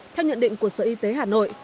theo nhận định của sở y tế hà nội